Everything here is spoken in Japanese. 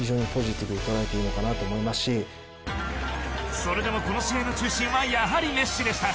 それでもこの試合の中心はやはりメッシでした。